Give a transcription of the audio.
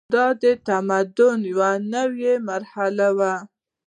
دا د تمدن یوه نوې مرحله وه.